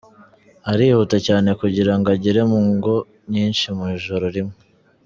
Arihuta cyane kugira ngo agere mu ngo nyinshi mu ijoro rimwe.